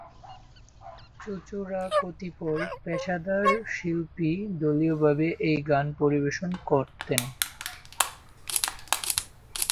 চুঁচুড়ার কতিপয় পেশাদার শিল্পী দলীয়ভাবে এ গান পরিবেশন করতেন।